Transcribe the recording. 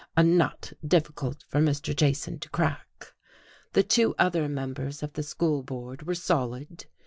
a nut difficult for Mr. Jason to crack. The two other members of the School Board were solid.